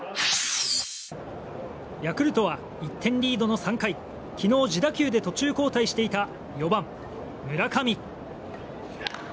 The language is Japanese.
ヤクルトは１点リードの３回昨日、自打球で途中交代していた４番、村上。